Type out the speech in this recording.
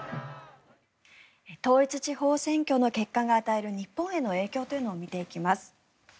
統一地方選挙の結果が与える日本への影響というのを見ていきます。